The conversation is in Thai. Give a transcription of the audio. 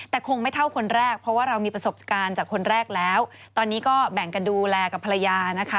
แต่คงไม่เท่าคนแรกเพราะว่าเรามีประสบการณ์จากคนแรกแล้วตอนนี้ก็แบ่งกันดูแลกับภรรยานะคะ